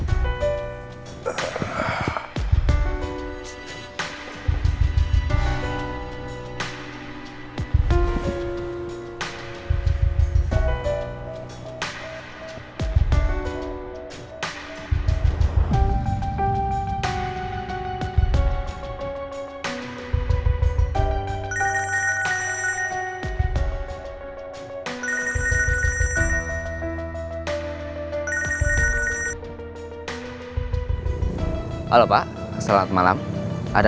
aku tanya onze kepada haveiru nih